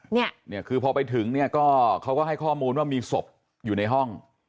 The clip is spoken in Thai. เนี่ยเนี่ยคือพอไปถึงเนี่ยก็เขาก็ให้ข้อมูลว่ามีศพอยู่ในห้อง